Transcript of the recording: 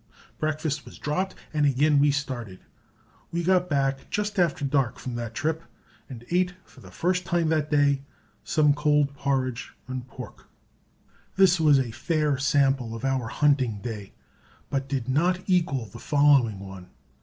Breakfast was dropped and again we started. We got back just after dark from that trip and ate for the first time that day some cold partridge and pork. This was a fair sample of our hunting day, but did not equal the following one.